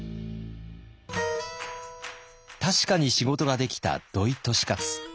確かに仕事ができた土井利勝。